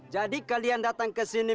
jadi kalian datang kesini